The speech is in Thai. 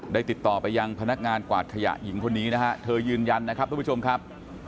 ติดต่อไปยังพนักงานกวาดขยะหญิงคนนี้นะฮะเธอยืนยันนะครับทุกผู้ชมครับ